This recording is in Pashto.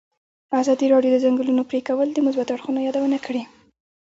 ازادي راډیو د د ځنګلونو پرېکول د مثبتو اړخونو یادونه کړې.